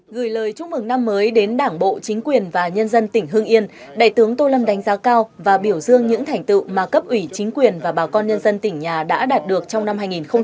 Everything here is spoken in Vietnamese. gửi lời chúc mừng năm mới đến đảng bộ chính quyền và nhân dân tỉnh hương yên đại tướng tô lâm đánh giá cao và biểu dương những thành tựu mà cấp ủy chính quyền và bà con nhân dân tỉnh nhà đã đạt được trong năm hai nghìn một mươi tám